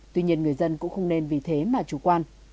tuy nhiên người dân cũng không nên vì thế mà chủ quan